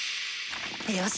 よし！